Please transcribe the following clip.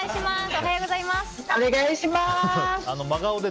おはようございます。